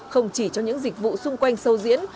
không chỉ cho những dịch vụ xung quanh sâu diễn